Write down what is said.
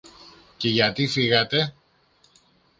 Και γιατί φύγατε;